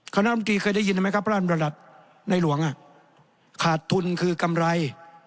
คณะมตรีเคยได้ยินไหมครับร่างระดับในหลวงขาดทุนคือกำไร